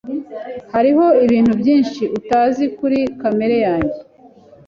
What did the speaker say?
Hariho ibintu byinshi utazi kuri kamere yanjye.